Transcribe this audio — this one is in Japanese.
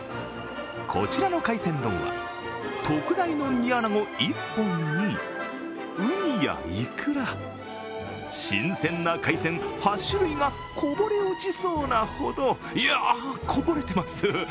こちらの海鮮丼は特大の煮あなご１本にうにやいくら、新鮮な海鮮８種類がこぼれ落ちそうなほどいや、こぼれてます。